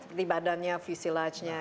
seperti badannya fuselagenya